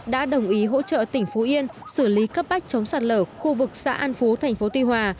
đã đồng ý hỗ trợ tỉnh phú yên xử lý cấp bách chống sạt lở khu vực xã an phú thành phố tuy hòa